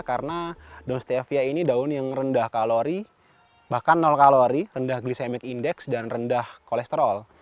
karena daun stevia ini daun yang rendah kalori bahkan nol kalori rendah glicemic index dan rendah kolesterol